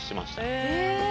へえ。